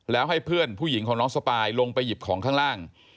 แล้วให้เพื่อนผู้หญิงของน้องสปายลงไปหยิบของข้างล่าง